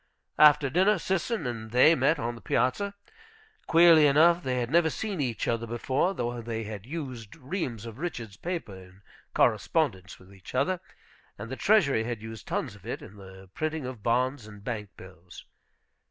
After dinner, Sisson and they met on the piazza. Queerly enough, they had never seen each other before, though they had used reams of Richards' paper in correspondence with each other, and the treasury had used tons of it in the printing of bonds and bank bills.